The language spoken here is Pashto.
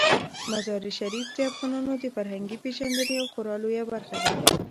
مزارشریف د افغانانو د فرهنګي پیژندنې یوه خورا لویه برخه ده.